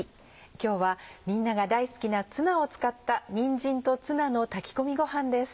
今日はみんなが大好きなツナを使った「にんじんとツナの炊き込みごはん」です。